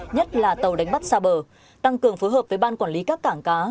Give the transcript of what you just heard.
nhất là tàu đánh bắt xa bờ tăng cường phối hợp với ban quản lý các cảng cá